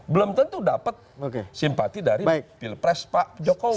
belum tentu dapat simpati dari pilpres pak jokowi